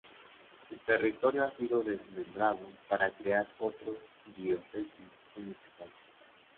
Su territorio ha sido desmembrado para crear otras diócesis en este país.